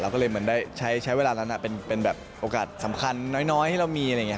เราก็เลยใช้เวลานั้นเป็นโอกาสสำคัญน้อยที่เรามี